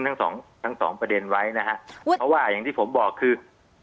ทั้งสองทั้งสองประเด็นไว้นะฮะเพราะว่าอย่างที่ผมบอกคือ